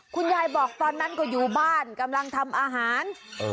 คุณยายบอกตอนนั้นก็อยู่บ้านกำลังทำอาหาร